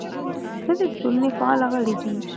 ښځې د ټولنې فعاله غړي دي.